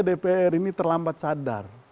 dpr ini terlambat sadar